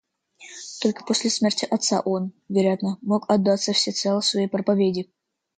Только после смерти отца он, вероятно, мог отдаться всецело своей проповеди.